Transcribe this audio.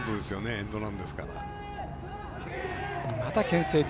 エンドランですから。